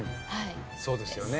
そうですよね。